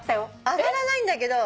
上がらないんだけど。